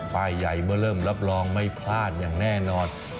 ป้ายใหญ่เมื่อเริ่มรับรองไม่พลาดอย่างแน่นอน